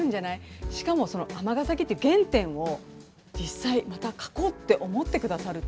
しかもその尼崎っていう原点を実際また書こうって思ってくださるっていう。